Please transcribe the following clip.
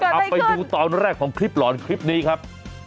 เอาไปดูตอนแรกของคลิปหลอนคลิปนี้ครับ